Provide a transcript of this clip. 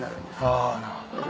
あぁなるほど。